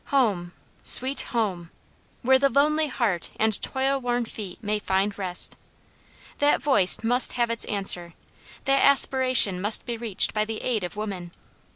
Home! Sweet Home! where the lonely heart and toil worn feet may find rest. That voice must have its answer, that aspiration must be reached by the aid of woman.